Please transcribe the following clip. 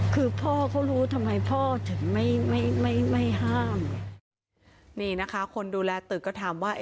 คือพ่อเขารู้ทำไมพ่อถึงไม่ไม่ไม่ห้ามนี่นะคะคนดูแลตึกก็ถามว่า